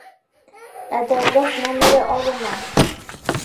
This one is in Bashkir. Ә дәүләт номеры алына.